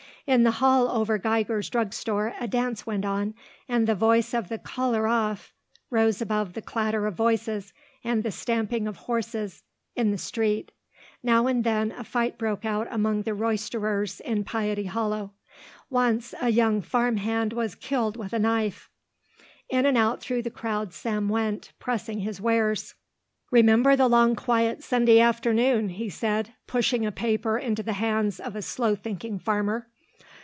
In the hall over Geiger's drug store a dance went on and the voice of the caller off rose above the clatter of voices and the stamping of horses in the street. Now and then a fight broke out among the roisterers in Piety Hollow. Once a young farm hand was killed with a knife. In and out through the crowd Sam went, pressing his wares. "Remember the long quiet Sunday afternoon," he said, pushing a paper into the hands of a slow thinking farmer.